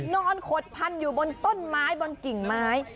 ขดพันอยู่บนต้นไม้บนกิ่งไม้